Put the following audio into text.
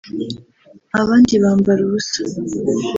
abandi bambara ubusa